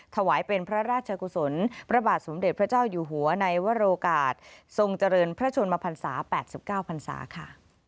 ถวายเป็นพระราชกุศลพระบาทสมเด็จพระเจ้าอยู่หัวในวโรกาศทรงเจริญพระชนมพันศา๘๙พันศาค่ะ